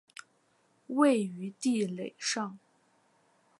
位于地垒上。